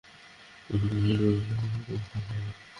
তাহলে টার্মেকে চেঞ্জ করতে।